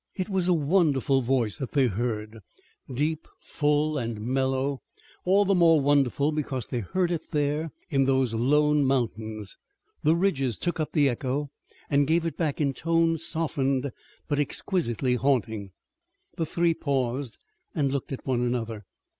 It was a wonderful voice that they heard, deep, full, and mellow, all the more wonderful because they heard it there in those lone mountains. The ridges took up the echo, and gave it back in tones softened but exquisitely haunting. The three paused and looked at one another.